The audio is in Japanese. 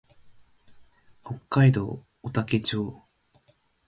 北海道雄武町